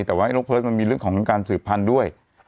แต่ว่าน้องเพิร์ตมันมีเรื่องของการสืบพันธุ์ด้วย